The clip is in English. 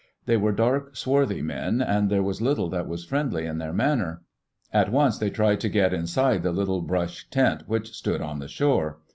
They were dark, swarthy men, and there was little that was friendly in their manner. At once they tried to get inside the little brush tent which stood on the shore.